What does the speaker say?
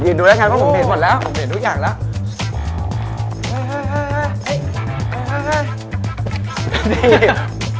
ยินดูนะครับก็ผมเห็นหมดแล้วผมเห็นทุกอย่างแล้ว